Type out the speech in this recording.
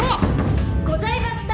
ございました！